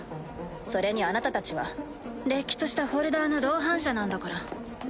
それにあなたたちはれっきとしたホルダーの同伴者なんだから。